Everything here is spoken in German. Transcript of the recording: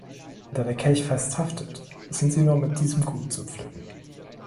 Da der Kelch fest haftet, sind sie nur mit diesem gut zu pflücken.